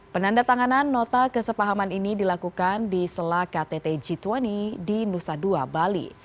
penanda tanganan nota kesepahaman ini dilakukan di sela ktt g dua puluh di nusa dua bali